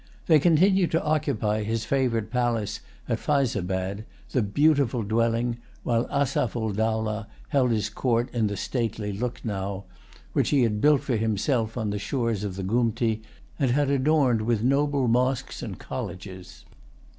They continued to occupy his favorite palace at Fyzabad, the Beautiful Dwelling; while Asaph ul Dowlah held his court in the stately Lucknow, which he had built for himself on the shores of the Goomti, and had adorned with noble mosques and colleges.